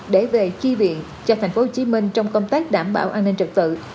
để về chi viện cho tp hcm trong công tác đảm bảo an ninh trật tự